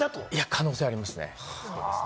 可能性はありますね。